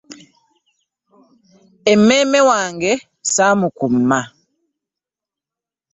Emmeeme wange samukuma